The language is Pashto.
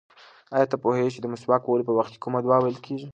ایا ته پوهېږې چې د مسواک وهلو په وخت کې کومه دعا ویل کېږي؟